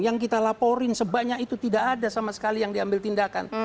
yang kita laporin sebanyak itu tidak ada sama sekali yang diambil tindakan